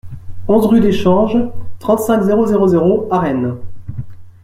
onze rue d'Échange, trente-cinq, zéro zéro zéro à Rennes